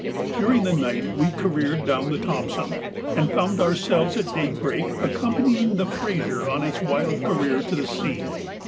During the night we careered down the Thompson, and found ourselves at daybreak accompanying the Fraser in its wild career to the sea.